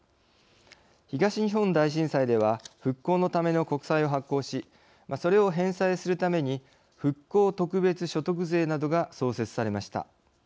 東日本大震災では復興のための国債を発行しそれを返済するために復興特別所得税などが創設されました。